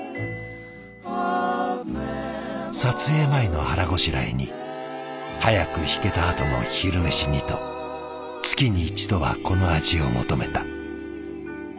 撮影前の腹ごしらえに早く引けたあとの昼メシにと月に一度はこの味を求めた。